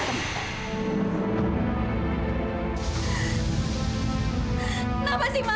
kenapa sih ma